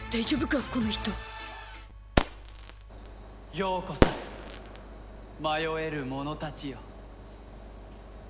ようこそ迷える者たちよ。